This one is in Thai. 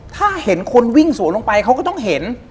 ถ้าเห็นคนวิ่งสวนลงไปเขาก็ต้องเห็น